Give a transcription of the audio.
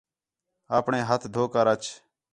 آپݨے ہتھ دھو کر اَچ